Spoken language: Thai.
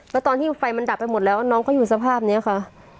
แล้วตอนที่ไฟมันดับไปหมดแล้วน้องเขาอยู่สภาพนี้ค่ะ